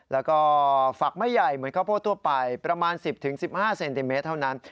แล้วก็ฝักไม่ใหญ่เหมือนข้าวโพดทั่วไปประมาณ๑๐๑๕เซนติเมตรเท่านั้น